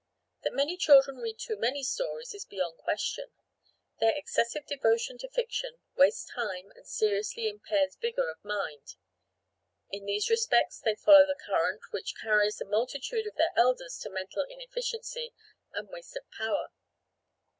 That many children read too many stories is beyond question; their excessive devotion to fiction wastes time and seriously impairs vigour of mind. In these respects they follow the current which carries a multitude of their elders to mental inefficiency and waste of power.